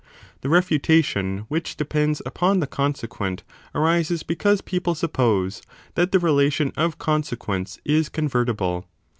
j67 b The refutation which depends upon the consequent arises because people suppose that the relation of consequence is convertible.